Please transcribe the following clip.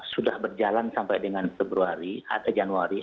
sudah berjalan sampai dengan februari atau januari